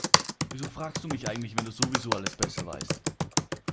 Wieso fragst du mich eigentlich, wenn du sowieso alles besser weißt?